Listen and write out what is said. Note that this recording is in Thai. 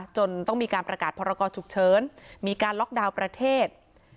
จนต้องมีการประกาศพรกรฉุกเฉินมีการล็อกดาวน์ประเทศ